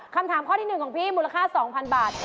คำถามข้อที่๑ของพี่มูลค่า๒๐๐๐บาท